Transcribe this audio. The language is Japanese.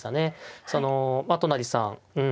そのまあ都成さん